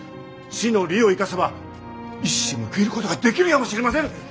地の利を生かせば一矢報いることができるやもしれませぬ！